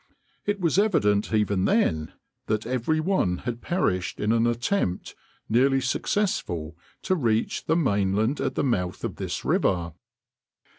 It was evident even then that every one had perished in an attempt, nearly successful, to reach the mainland at the mouth of this river.